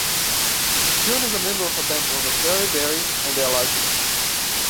John was a member of a band known as Derryberry and Alagia.